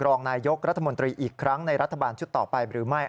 รองนายยกรัฐมนตรีอีกครั้งในรัฐบาลชุดต่อไปหรือไม่